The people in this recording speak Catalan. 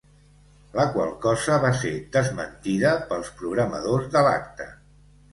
La qual cosa va ser desmentida pels programadors de l'acte.